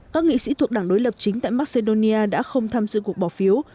các nghị sĩ thuộc đảng đối lập chính tại macedonia đã không tham dự cuộc bỏ phiếu